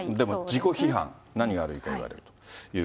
自己批判、何が悪いか言われると。